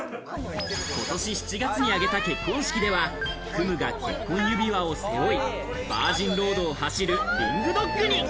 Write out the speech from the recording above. ことし７月に挙げた結婚式では、くむが結婚指輪を背負い、バージンロードを走るリンクドッグに。